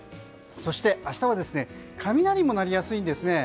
そして、明日は雷も鳴りやすいんです。